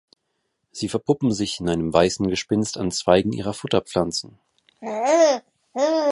Sie verpuppen sich in einem weißen Gespinst an Zweigen ihrer Futterpflanzen.